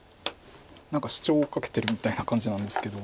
何かシチョウを追いかけてるみたいな感じなんですけど。